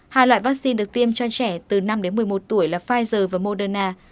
hai loại vaccine được tiêm cho trẻ từ năm đến một mươi một tuổi là pfizer và moderna